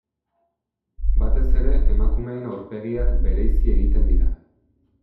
Batez ere emakumeen aurpegiak bereizi egiten dira.